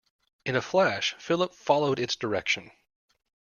In a flash Philip followed its direction.